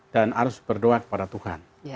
dan harus berdoa kepada tuhan